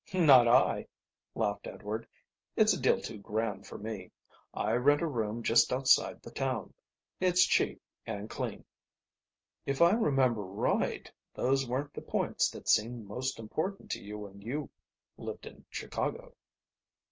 "Not I," laughed Edward. "It's a deal too grand for me. I rent a room just outside the town. It's cheap and clean." "If I remember right those weren't the points that seemed most important to you when you lived in Chicago."